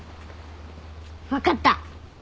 分かった！